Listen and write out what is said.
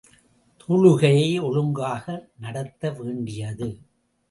தொழுகையை ஒழுங்காக நடத்த வேண்டியது.